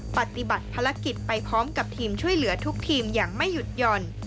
ปฏิบัติภารกิจไปพร้อมกับทีมช่วยเหลือทุกทีมอย่างไม่หยุดหย่อน